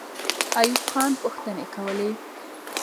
ایوب خان پوښتنې کولې.